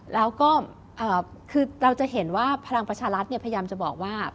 แล้วก็คือเราจะเห็นว่าพลังประชารัฐพยายามจะบอกว่า